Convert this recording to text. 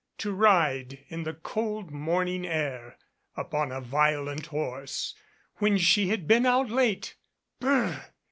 To ride in the cold morning air upon a violent horse when she had been out late